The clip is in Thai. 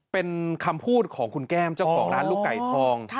เป็นคำพูดของคุณแก้มเจ้าของร้านลูกไก่ทอง